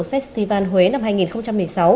festival huế năm hai nghìn một mươi sáu